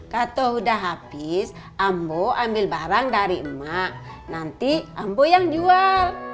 kalau udah habis ambo ambil barang dari emak nanti ambo yang jual